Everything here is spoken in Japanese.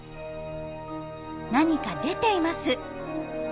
何か出ています。